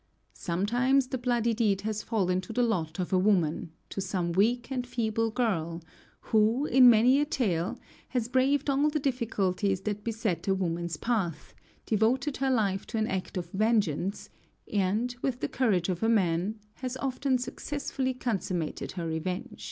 Sometimes the bloody deed has fallen to the lot of a woman, to some weak and feeble girl, who, in many a tale, has braved all the difficulties that beset a woman's path, devoted her life to an act of vengeance, and, with the courage of a man, has often successfully consummated her revenge.